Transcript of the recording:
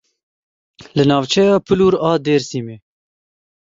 Li navçeya Pulur a Dêrsimê.